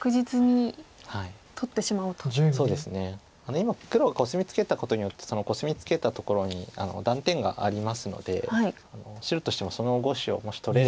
今黒がコスミツケたことによってそのコスミツケたところに断点がありますので白としてもその５子をもし取れればすごい。